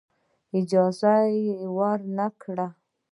اجازه ورنه کړی.